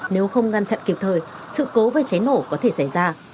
nếu không ngăn chặn kịp thời sự cố về cháy nổ có thể xảy ra